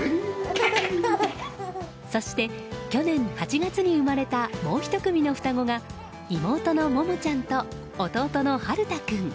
そして、去年８月に生まれたもう１組の双子が妹のももちゃんと弟のはるた君。